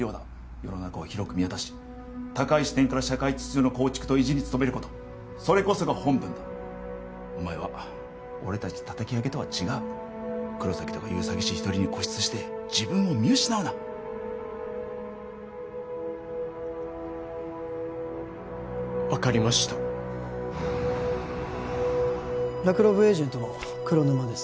世の中を広く見渡し高い視点から社会秩序の構築と維持に努めることそれこそが本分だお前は俺達叩き上げとは違う黒崎とかいう詐欺師一人に固執して自分を見失うな分かりましたラクロブエージェントの黒沼です